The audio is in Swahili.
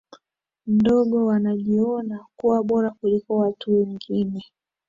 ndogo wanajiona kuwa bora kuliko watu wengine